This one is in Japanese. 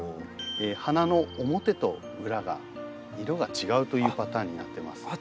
花の表と裏が色が違うというパターンになってます。